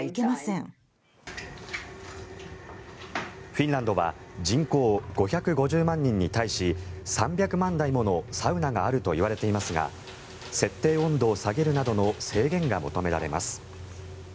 フィンランドは人口５５０万人に対し３００万台ものサウナがあるといわれていますが設定温度を下げるなどの制限が求められます。